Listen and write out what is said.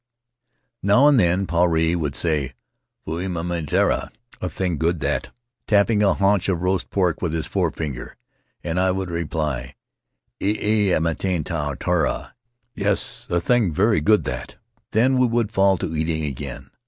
Now and then Puarei would say, "E mea maitai, tera" ("A thing good, that"), tapping a haunch of roast pork with his forefinger. And I would reply, "E, e mea maitai roa, tera" ("Yes, a thing very good, that"). Then we would fall to eating again.